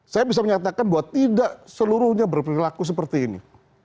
saya bisa menyatakan bahwa tidak seluruhnya berperilaku seperti ini